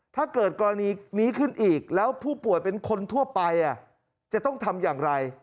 ถ้าเกิดกรณีนี้ขึ้นอีกแล้วผู้ป่วยเป็นคนทั่วไปจะต้องทำอย่างไร